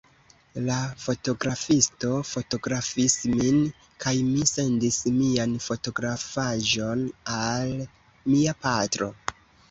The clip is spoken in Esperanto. La fotografisto fotografis min, kaj mi sendis mian fotografaĵon al mia patro.